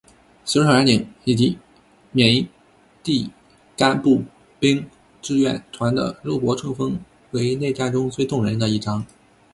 死守小圆顶以及缅因第廿步兵志愿团的肉搏冲锋为内战中最动人的一章。